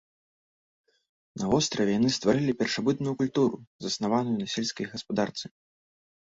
На востраве яны стварылі першабытную культуру заснаваную на сельскай гаспадарцы.